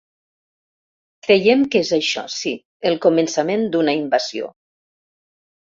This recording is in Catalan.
Creiem que és això, sí, el començament d’una invasió.